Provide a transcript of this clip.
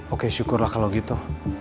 oke syukurlah kalau gitu